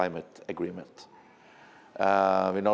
bản thân micro